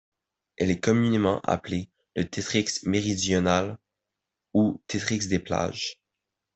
Elle est communément appelée le tétrix méridional ou tétrix des plages.